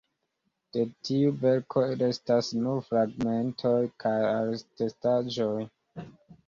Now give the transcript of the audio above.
De tiu verko restas nur fragmentoj kaj atestaĵoj.